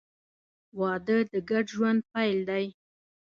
• واده د ګډ ژوند پیل دی.